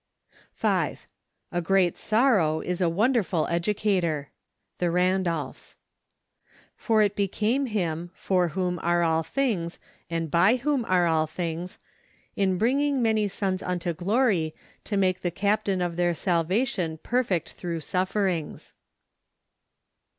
5. A great sorrow is a wonderful edu¬ cator. The Randolphs. " For it became him, for whom are all things , and by whom are all things , in bringing many sons unto glory , to make the captain of their salvation perfect through sufferings."